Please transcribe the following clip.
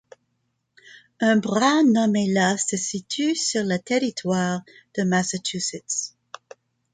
Un bras nommé la se situe sur le territoire du Massachusetts.